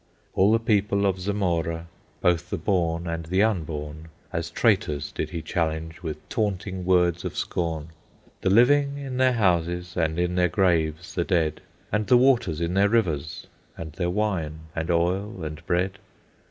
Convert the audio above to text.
All the people of Zamora, Both the born and the unborn, As traitors did he challenge With taunting words of scorn. The living in their houses, And in their graves the dead, And the waters in their rivers, And their wine, and oil, and bread.